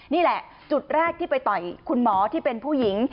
นี่แหละจุดแรกที่ไปต่อยคุณหมอที่เป็นผู้หญิง